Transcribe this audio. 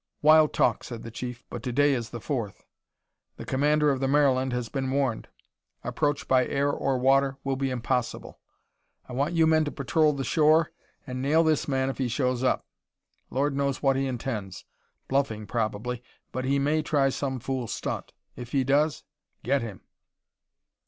"Wild talk," said the Chief, "but today is the fourth. The Commander of the Maryland has been warned approach by air or water will be impossible. I want you men to patrol the shore and nail this man if he shows up. Lord knows what he intends bluffing probably but he may try some fool stunt. If he does get him!"